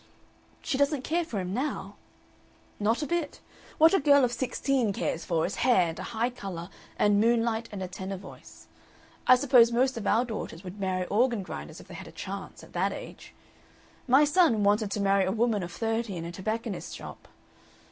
"She doesn't care for him now?" "Not a bit. What a girl of sixteen cares for is hair and a high color and moonlight and a tenor voice. I suppose most of our daughters would marry organ grinders if they had a chance at that age. My son wanted to marry a woman of thirty in a tobacconist's shop.